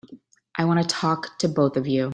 I want to talk to both of you.